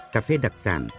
cà phê đặc sản